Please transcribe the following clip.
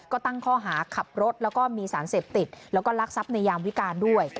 ก็ตั้งข้อหาขับรถแล้วก็มีสารเสพติดแล้วก็ลักทรัพย์ในยามวิการด้วย